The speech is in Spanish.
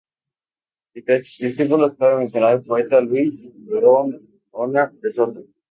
Entre sus discípulos cabe mencionar al poeta Luis Barahona de Soto.